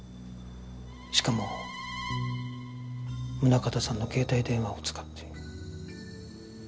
しかも宗形さんの携帯電話を使って。